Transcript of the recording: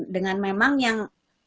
dengan memang yang